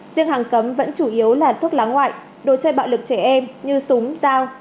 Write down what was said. riêng hàng cấm vẫn chủ yếu là thuốc lá ngoại đồ chơi bạo lực trẻ em như súng dao